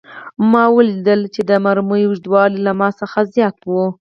ما ولیدل چې د مرمۍ اوږدوالی له ما څخه زیات و